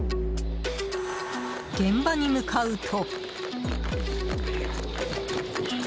現場に向かうと。